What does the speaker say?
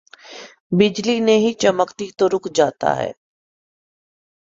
بجلی نہیں چمکتی تو رک جاتا ہے۔